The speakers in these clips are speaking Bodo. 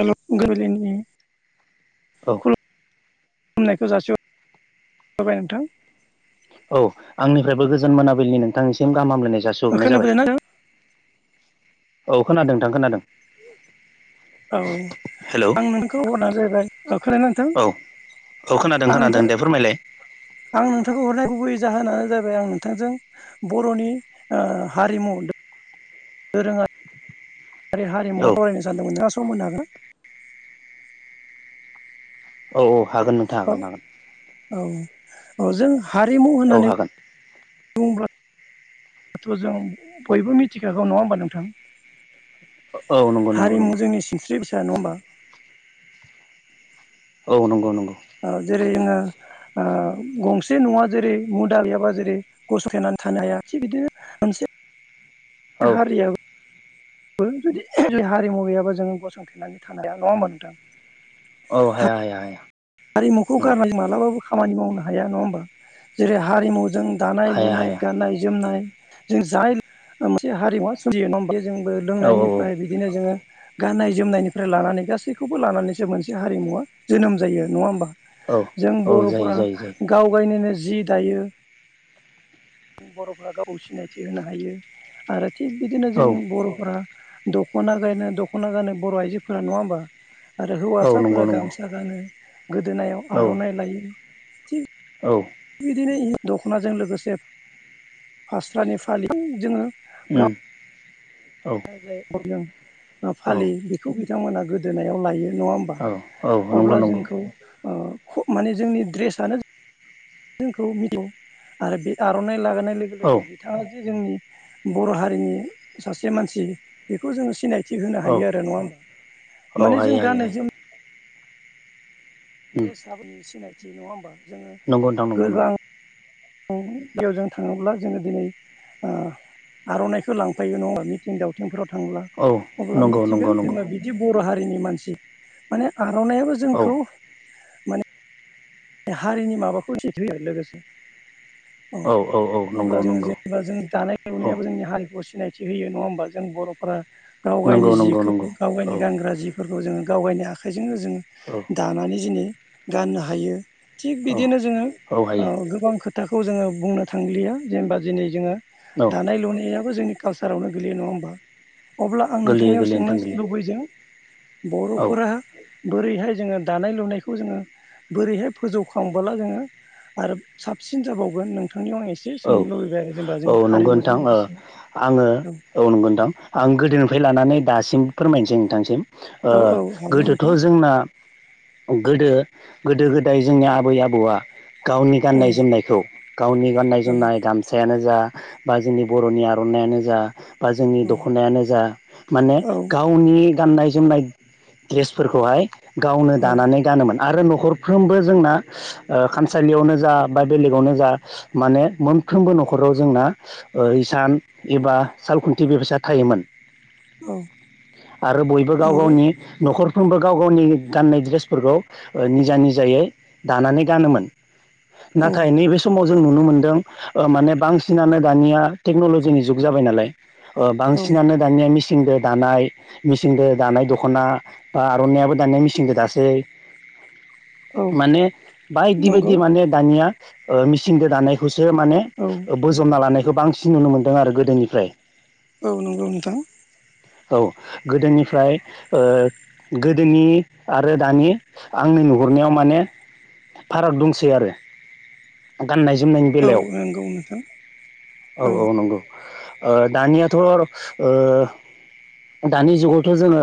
हेल गाबोलिनि औ खनायखौ जासि होरबाय नोंथां। औ आंनिफ्रायबो गोजोन मोनाबिलिनि नोंथांनिसिम गाहाम हामलायनाय जासोहरग्रनाय जाबाय। खोनाबायना नोंथां औ खोनादों नोथां खोनादों। औ हेलौ आं नोंखौ हरना जाहैबाय औ खोनादों नोंथां औ औ खोनादों आं नथां खोनादों दे फोरमायलाय आं नोंथांखौ हरनाय गुबै जाहोनानो जाबाय आं नोंथांजों बरनि ओ हारिमु दोरोंङा आरि औ हारिमु फरायनो सानदोंमोन नोंथाङा सम होनो हागोन। औ औ हागोन नोंथां हागोन हागोन।। अ जों हारिमु औ होननानै हागोन बुंब्ला दाथ जों बयबो मिथिखागौ नङा होमबा नोंथां। औ नंगौ नंगौ हारिमु नंगौ जोंनि सिनस्रि फिसा नङा हमबा। औ नंगौ नंगौ औ जेरै जोङो ओ गंसे नङा जेरै मुदा गैयाबा जेरै गस'थेनानै थानो हाया थिग बिदिनो मोनस औ हारियाबो जुदि हारिमु गैयाबा जोङो गसंथेनानै थानो हाया नङा होमबा नोंथां। औ हाया हाया हाया। हारिमुखौ नंगौ गारनानै मालाबाबो खामानि मावनो हाया नङा होमबा जेरै हारिमु जों दानाय हाया लुनाय हाया गाननाय जोमनाय जों जाय मोनसे हारिमुवा सोलियो नङा। बि जोंबो औ लोंनायनिफ्राय औ बिदिनो जोङो गाननाय जोमनायनिफ्राय लानानै गासैखौबो लानानैसो मोनसे हारिमुवा जोनोम जायो नङा होमबा। औ जों औ जायो बर'फोरा जायो जायो गाव गायनोनो जि दायो बर'फोरा गावखौ सिनायथि होनो हायो आरो। थिग बिदिनो जों औ बर'फोरा दख'ना गायनो दख'ना गानो बर' आइजोफोरा नङा होमबा। आरो औ नंगौ हौवासाफोरा नंगौ गामसा गानो गोदोनायाव औ आर'नाइ लायो थिग औ बिदिनो दख'नाजों लोगोसे फास्रानि फालि जोङो ओम। [unintelligible] औ फालि बेखौ बिथांमोना गोदोनायाव लायो। नङा होमबा औ औ नंगौ अब्ला नंगौ जोंखौ ओ माने जोंनि ड्रेसानो जोंखौ आरो बे आर'नाइ लागोन। होनाय लोगो औ लोगो बिथाङा जे जोंनि बर' हारिनि सासे मानसि बेखौ जोङो सिनाय थि होनो औ हायो आरो नङा होमा औ माने हायो जों हायो गाननाय हायो जोमनाय उम रेसाबनि सिनायथि नङा होमबा जोङो नंगौ नोंथां नंगौ नंगौ गोबां गेयावजों थाङोब्ला जोङो दिनै ओ आर'नाइखौ लांफायो नङा होमबा मिथिं दावथिंफ्राव थांब्ला औ अब्ला नंगौ नंगौ मिथिगोन नंगौ जोङो बिदि बर' हारिनि मानसि माने आर'नायइाबो औ जोंखौ माने हारिनि माबाखौ [unintelligible] लोगोसे औ औ अब्ला नंगौ जोङो नंगौ जेनेबा जों दानाय औ लुनायाबो जोंनि हारिखौ सिनायथि थिहोयो नङा होमबा जों बर'फोरा गाव गायनि नंगौ नंगौ जिखौ नंगौ गाव औ गायनि गानग्रा जिफोरखौ जोङो गावगायनाय आखाइजोंनो जोंङो औ दानानै दिनै गाननो हायो। थिग औ बिदिनो जोङो औ हायो गोबां खोथाखौ जोङो बुंनो थांलिया जेनेबा दिनै जोङो औ दानाय लुनायाबो जोंनि कालसारावनो गोग्लैयो नङा होमबा अब्ला आं गोरलैयो नोंथांनियाव गोरलैयो सोंनो नोंथां गोरलैयो लुबैदों बर'फोरा बोरैहाय जोङो दानाय लुनायखौ जोङो बोरैहाय फोजौखांबोला जोङो आरो साबसिन जाबावगोन नोंथांनियाव आं एसे औ सोंनो लुबैबाय आरो जेनेबा जों औ औ नंगौ नोंथां हारिमुजों ओ लोगोसे आङो औ नंगोनोंथां आं गोदोनिफ्राय लानानै दासिम फोरमायनोसै नोंथांसिम औ औ हागोन गोदोथ' नोंथां जोंना गोदो गोदो गोदाय जोंनि आबै आबौआ गावनि औ गाननाय जोमनायखौ गावनि गाननाय औ जोमनाय दामसायानो जा बा जोंनि बर'नि आर'नानायइानो जा बा जोंनि दख'नायानो जा माने औ गावनि गाननाय जोमनाय दड्रेसफोरखौहाय गावनो औ दानानै गानोमोन आरो न'खरफ्रोमबो जोंना खामसालियावनो जा बा बेलेगावनो जा माने मोनफ्रोमबो न'खराव जोंना इसान एबा साल खुन्थि बेबसा थायोमोन। औ आरो बयबो गाव नंगौ गावनि न'खर -फ्रोमबो गाव गावनि गाननाय दड्रेसफोरखौ निजा निजायै दानानै गानोमोन औ नाथाय नैबे समाव जों नुनो मोनदों माने बांसिनानो दानिया टेक्नलजिनि जुग जाबाय नालाय औ बांसिनानो दानिया मिसिनजों मिसिनजों दानाय मेसिनजों दानाय दख'ना बा आर'नाय आ बो दानाया मेसिनजों दासै औ माने बायदि बायदि नंगौ माने दानिया ओ मेसिनजों दानाय सो माने औ बोजबना लानायखौ बांसिन नुनो मोन्दों आरो गोदोनिफ्राय औ नंगौ नोंथां। औ गोदोनिफ्राय ओ गोदोनि आरो दानि आं नुहरनायाव माने फाराग दंसै आरो गाननाय जोमनाय औ बेलायाव नंगौ नोंथां औ औ नंगौ ओ दानियाथ' ओ दानि जुगावथ' जोङो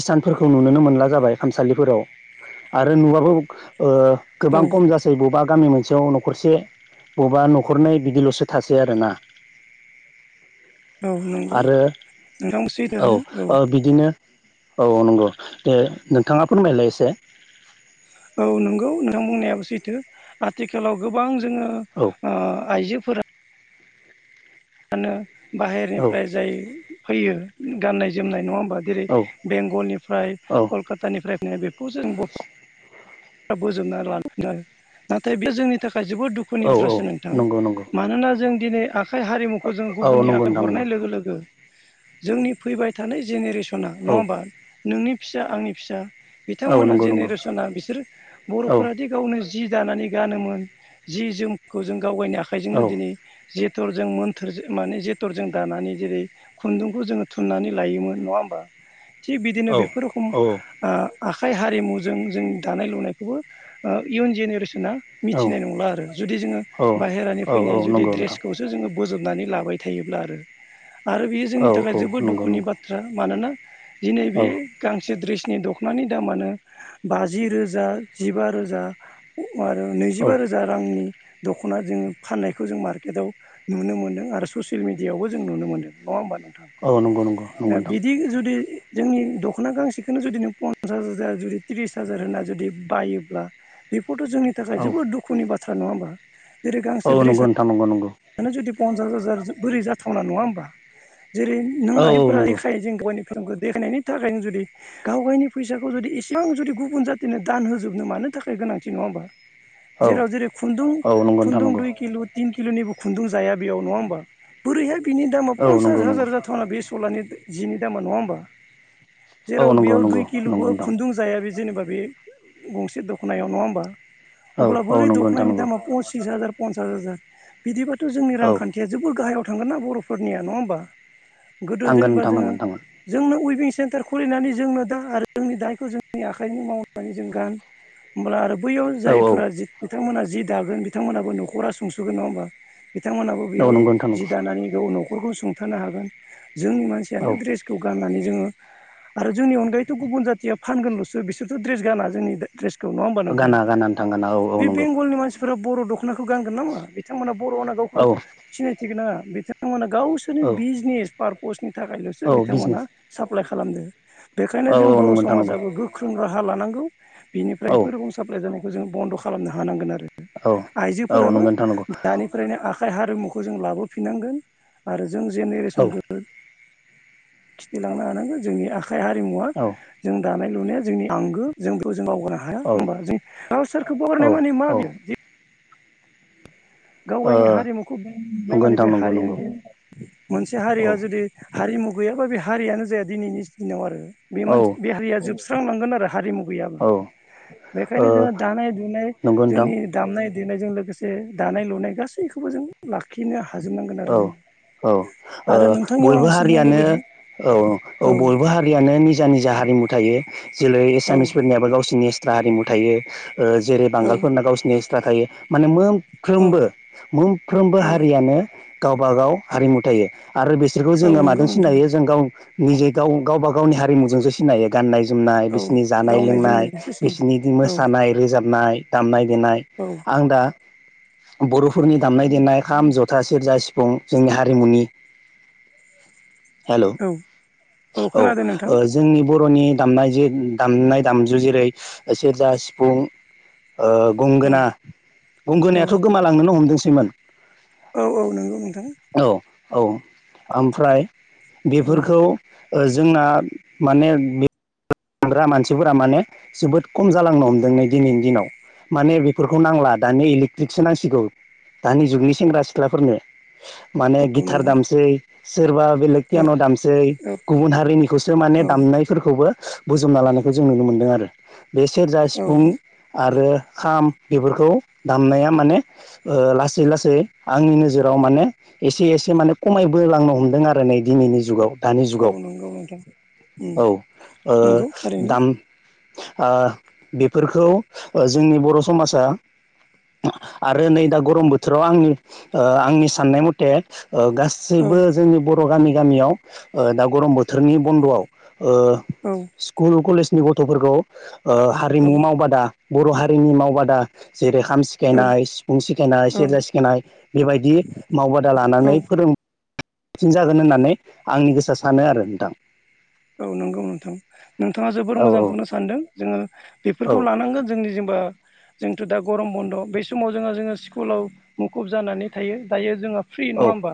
इसानफोरखौ नुुनोनो मोनला जाबाय खामसालिफोराव आरो नुबाबो ओ औ गोबां खम जासै बबेबा गामि मोनसेयाव न'खरसे बबेबा न'खर नै बिदिल'सो थासै आरोना। औ नंगौ आरो नोंथां औ सैथोआनो औ बिदिनो औ नंगौ दे नोंथाङा फोरमायलाय एसे औ नंगौ नोंथां बुंनायाबो सैथो आथिखालाव गोबां जोङो औ आइजोफोरा मानो औ बाहेरनिफ्राय जाय फैयो गाननाय जोमनाय नङा- बा जेरै औ बेंगलनिफ्राय औ कलकातानिफ्राय फैनाय बेखौ जों बोजोबनानै लायो नाथाय बे जोंनि थाखाय जोबोद दुखुनि औ औ बाथ्रासो नोंथां नंगौ नंगौ मानोना जों दिनै आखाइ हारिमु- खौ जों औ गुबुननि नंगौ हाथाय नोंथां नंगौ हरनाय लोगो लोगो जोंनि फैबाय थानाय जेनेरेसन सना औ नङाबा नोंनि फिसा आंनि फिसा औ बिथांमोना नंगौ नंगौ जेनेरेसना बिसोर औ बर'फोराद गावनो जि दानानै गानोमोन जि जोमखौ जों गावगायनो आखाइ औ जोंनो दिनै जेथर जों मोन थोरजों माने जेथरजों दानानै जेरै खुन्दुंखौ जोङो थुननानै लायोमोन नङा होमबा थिग बिदिनो औ बेफोर रोखम औ आखाइ हारिमुजों जों दानाय लुनायखौबो इयुन जेनेरेसना मिथिनाय नंला आरो जुदि जोङो औ बाहेरानि औ औ फैनाय जुदि नंगौ नोंथां ड्रेसखौसो जोङो बोजबनानै लाबाय थायोब्ला आरो। आरो बेयो औ जोंनि औ थाखाय जोबोद नंगौ दुखुनि नंगौ बाथ्रा मानोना दिनै औ बे गांसे द्रेस नि दख'नानि दामानो बाजि रोजा जिबा रोजा आरो औ नैजिबा रोजा रांनि दख'ना जोङो फाननायखौ जों मार्केटआव नुनो मोनदों आरो ससियेल मिडियआवबो जों नुनो मोनदों नङा होमबा। औ नंगौ नंगौ नंगौ नोंथां बिदि जुदि जोंनि दख'ना गांसेखौनो जुदि नों पन्सास हाजार जुदि त्रिस हाजार होना जुदि बायोब्ला बे बेथ' जोंनि थाखाय औ जोबोद दुखुनि बाथ्रा नङा होमबा जेरै औ गांसे नंगौ ड्रेसानो नोंथां नंगौ नंगौ। जुदि पन्सास हाजार बोरै जाथावना नङा होमबा। जेरै नों औ औ आइफोरा नंगौ रैखाय जों गावनि खौ देखायनायनि थाखायनो जुदि गाव गावनि फैसाखौ जुदि इसेबां जुदि गुबुन जाथिनो दान होजोबनो मानो थाखाय गोनांथि नङा होनबा औ जेराव जेरै खुुन्दुं औ - नंगौ नोंथां खुुन्दुं नंगौ दुइ किल' तोन किल'नि खुन्दुं जाया बेयाव नङा होमबा बोरैहाय बिनि दामा औ पन्सास नंगौ नंगौ हाजार जाथावना बे सलानि जिनि दामा नङा होमबा जेराव औ नंगौ बेयाव नंगौ दुइ नंगौ किल'बो नोंथां खुन्दुं जाया बे जेनेबा बे गंसे दखनायाव नङा होनबा औ अब्ला औ बोरै नंगौ नोंथां दखनि नंगौ दामा फसिस हाजार पन्सास हाजार बिदिबाथ' जोंनि औ रांखान्थिया जोबोर गाहायाव थांगोन ना बर'फोरनिया नङा होमबा। गोदो थांगोन जेनेबा नोंथां जोङो थांगोन थांगोन जोंनो उइबिं सेन्टार खुलिनानै जोंनो दा आरो जोंनि दायखौ जोंनि आखाइनि मावनानै जों गान होमब्ला आरो बैयाव औ औ जायफोरा जि बिथांमोनहा जि दागोन बिथांमोनाबो न'खरा सुंस'गोन नङा होनबा बिथांमोन हाबो औ बेयाव नंगौ नोंथां जि नंगौ दानानै गाव न'खरखौ सुंथानो हागोन। जोंनि मानसियानो औ दड्रेसखौ गाननानै जोङो। आरो जोंनि अनगायैथ गुबुन जाथिया फानगोनलसो बिसोर ड्रेस गाना जोंनि्रेस। नङा हबा नोंथां गाना गाना नोंथां गाना औ औ बे नंगौ बेंगलनि मानसि। बर' दख' नाखौ गानगोन नामा बिथांमोना बर'होनना गावखौ औ सिनायथिहोगोना होआ बिथांमोना। गावसोरनि औ बिजनेस पार्पसनि। थाखायलसो औ बिथांमोना बिजनेस साप्लाइ खालामदों बेखायनो औ जों औ बर नंगौ नोंथां नंगौ समाजाबो गोख्रों र राहा लानांगौ बिनिफ्राय औ बेफोर रं साप्लाय जानायखौ जों बन्द खालामनो हानांगोन आरो। औ औ नंगौ आइजोफोराबो। नोंथां नंगौ फरायनाय आखाइ हारिमुखौ जों लाबोफिननांगोन आरो जों औ जेनेरेसनखौ। खिथिलांनो हानांगोन जोंनि आखाइ हारिमुवा औ जों दानाय। लुनाया जोंनि आंगो जोंबो जों बावगारनो हाया औ औ हबा जों सोरखौ बावगारनाय ओ माने मा बेयो गाव गावनि हारिमुखौ बेनाय नंगौ माने नोंथां बे नंगौ नंगौ हारियानो मोनसे हारिया औ जुदि हारिमु गैयाबा बे हारियानो जाया दिनैनि दिनाव आरो बे औ मानसि बे हारिया जोबस्रांनांगोन आरो हारिमु गैयाबा औ ओ बेखायनो जोङो दानाय दुनाय नंगौ नोंथां जोंनि दामनाय देनायजों लोगोसे दानाय लुनाय गासैखौबो जों लाखिनो हाजोबनांगोन औ आरो जोंङो औ ओ बयबो हारियानो लुबैदों औ औ बयबो हारियानो निजा निजा हारि हारिमु थायो जेरै औ एसामिसफोरनियाबो गावसिनिस्थ्रा हारिमु थायो। ओ जेरै औ बांगालफोरना गावसिनि एक्सट्रा थायो माने मोनफ्रोम औ फ्रोमबो मोनफ्रोमबो औ हारियानो गावबागाव हारिमु थायो। आरो बिसोरखौ औ जोङो नंगौ माजों नोंथां सिनायो जों गाव निजे गाव गावबा गावनि हारिमुजोंसो सिनायो गाननाय जोमनाय औ बिसोरनि जानाय गावनाय लोंनाय जोमनायजोंसो बिसोरनि सिनायो औ मोसानाय रोजाबनाय दामनायनाय देनाय औ आं दा बरफोरनि दामनाय देनाय खाम जथा सेरजा सिफुं जोंनि हारिमुनि हेलौ औ औ खोनादों नोंथां ओ जोंनि बर'नि दामनाय जे दामनाय दामजु जेरै सेरजा सिफुं ओ औ गंगोना औ गंगोनायाथ गोमालांनोनो हमदोंसैमोन। औ औ नंगौ नोंथां औ औ ओमफ्राय औ बेफोरखौ ओ जोंना माने बे हग्रा मानसिफोरा माने जोबोद खम जालांनो हमदों नै दिनैनि दिनाव। माने बेफोरखौ नांला दानि इलेकट्रिकसो नांसिगौ दानि जुगनि सेंग्रा सिख्लाफोरनो। माने औ गिथार नंगौ दामसै सोरबा बेलेग औ यान दामसै गुबुन हारिनिखौसो माने औ दामनायफोरखौबो बोजबना लानायखौ जों नुनो मोनदों आरो बे सेरजा औ सिफुं आरो खाम बेफोरखौ दामनाया माने लासै लासै आंनि नोजोराव माने एसे एसे माने खमायबो लांनो हमदों आरो नै दिनैनि जुगाव। दानि औ जुगाव नंगौ नोंथां औ ओम। ओ दाम ओ बेफोरखौ जोंनि बर समाजा। आरो नै दा गरम बोथोराव आंनि आंनि साननाय मथे ओ औ गासैबो जोंनि बर गामि गामियाव दा गरम बोथोरनि बन्दआव ओ औ स्कुल कलेजनि गथफोरखौ ओ हारिमु मावबादा बर' हारिनि मावबादा जेरै खाम औ सिखायनाय सिफुं सिखायनाय औ सेरजा सिखायनाय बेबायदि मावबादा औ लानानै फोरों सिन जागोन होननानै आंनि गोसोआ सानो आरो नोंथां। औ नंगौ नोंथां। नोंथाङा जोबोर औ औ मोजांखौनो सानदों जोङो औ बेफोरखौ लानांगोन जोंनि जेनेबा जोंथ दा गरम बन्द बेै समाव जोंहा जोङो स्कुलाव मुखुब जानानै थायो दायो जोंहा फ्रि औ नङा होमबा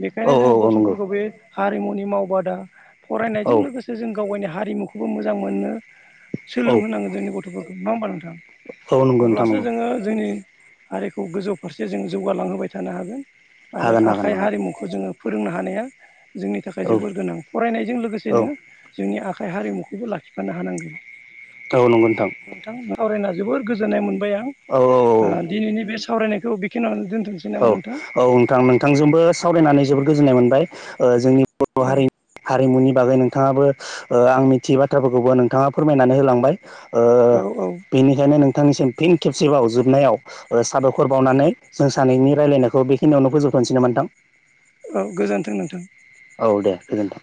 बेनिखायनो औ जोङो औ नंगौ गथ'फोरखौ बे हारिमुनि मावबादा औ जों लोगोसे जों गाव गावनि हारिमुखौबो मोजां मोननो औ सोलोंहोनांगोन जोंनि गथ'फोरखौ ना होमबा नोंथां। औ नंगौ नोंथां अब्लासो नंगौ जोङो जोंनि हारिखौ गोजौ फारसे जोङो जौगालांहोबाय थानो हागोन आरो हागोन हागोन आखाइ हागोन हारिमुखौ जोङो फोरोंनो हानाया जोंनि थाखाय औ जोबोर गोनां फरायनायजों औ लोगोसेनो जोंनि आखाइ हारिमुखौबो लाखिफानो हानांगोन। औ नंगौ नोंथां। जोबोर गोजोननाय मोनबाय औ औ औ आं दिनैनि बे सावरायनायखौ बेखिनिया औ औ नोंथां नोंथांजोंबो सावरायनानै जोबोद गोजोननाय मोनबाय ओ जोंनि बर' औ हारिनि हारिमुनि बागै नों थाङाबो ओ आं मिथियै बाथ्राफोरखौबो नोंथाङा फोरमायनानै होलांबाय। ओ औ औ बेनिखायनो नोंथांनिसिम फिन खेबसेबाव जोबनायाव साबायखर बावनानै जों सानैनि रायलायनायखौ बेखिनियावनो फोजोबथ'नोसैनो नामा नोंथां। औ गोजोनथों नोंथां। औ दे गोजोन्थों।